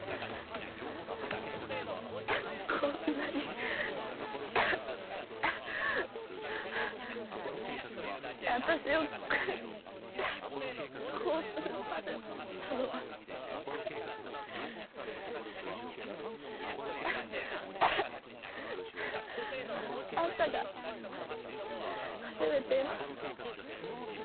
こんなに私を興奮させたのは。あんたが初めてよ。